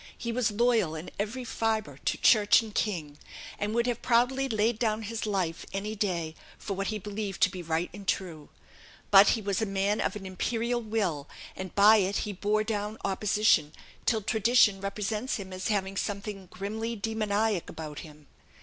He was loyal in every fibre to Church and King; and would have proudly laid down his life, any day, for what he believed to be right and true. But he was a man of an imperial will, and by it he bore down opposition, till tradition represents him as having something grimly demoniac about him.